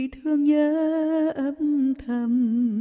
thương nhớ âm thầm